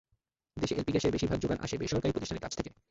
দেশে এলপি গ্যাসের বেশির ভাগ জোগান আসে বেসরকারি প্রতিষ্ঠানের কাছ থেকে।